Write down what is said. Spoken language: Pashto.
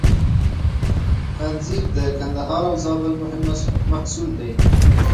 انځر د کندهار او زابل مهم محصول دی